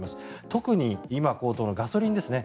特に今、高騰のガソリンですね。